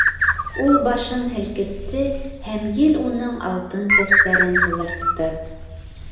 Ул башын һелкетте һәм ел уның алтын сәстәрен туҙҙыртты.